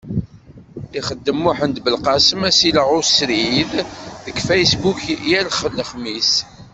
Ixeddem Muḥend Belqasem asileɣ usrid deg Facebook yal lexmis.